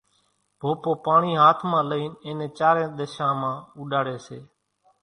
ڀوپوپاڻي ھاٿ مان لئين اين نين چارين ۮشان مان اُوڏاڙي سي